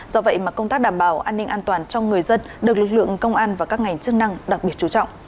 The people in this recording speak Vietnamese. do vậy mà công tác đảm bảo an ninh an toàn cho người dân được lực lượng công an và các ngành chức năng đặc biệt chú trọng